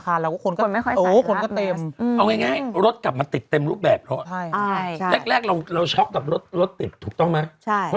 กลางปีก็ยังไอ้นั่นอยู่